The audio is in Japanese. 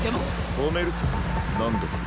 止めるさ何度でも。